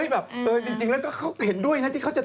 มันก็แล้วแต่มุมมองอะนะมีหลายมุมอะ